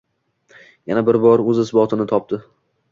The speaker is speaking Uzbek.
yana bir bor o‘z isbotini topdi.